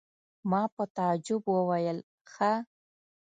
ما په تعجب وویل: ښه!